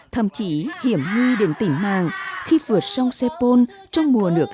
thậm chí hiểm nghi đến tỉnh mạng khi vượt sông sepol trong mùa nước